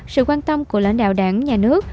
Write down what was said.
sự quan tâm của lãnh đạo đảng nhà nước